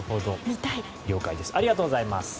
ありがとうございます。